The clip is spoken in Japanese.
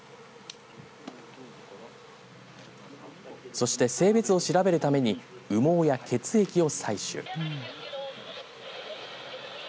そして性別を調べるために羽毛や血液を採取。